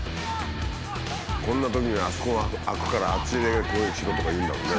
こんなときにあそこが空くからあっちに攻撃しろとかいうんだろうね。